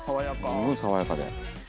すごい爽やかで。